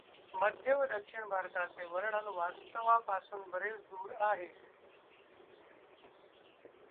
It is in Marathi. मध्य व दक्षिण भारताचे वर्णन वास्तवापासून बरेच दूर आहे.